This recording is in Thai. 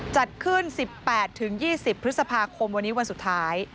จัดขึ้น๑๘๒๐พฤษภาคมวันนี้วันสุดท้าย